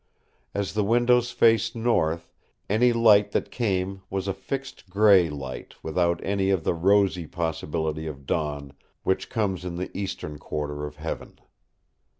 As the windows faced north, any light that came was a fixed grey light without any of the rosy possibility of dawn which comes in the eastern quarter of heaven.